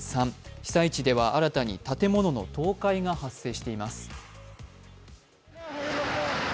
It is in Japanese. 被災地では新たに建物の倒壊が発生しています。